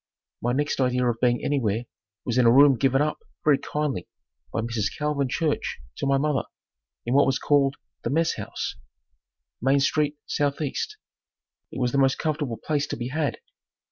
My next idea of being anywhere was in a room given up, very kindly, by Mrs. Calvin Church to my mother, in what was called the "messhouse," Main St. S. E. It was the most comfortable place to be had.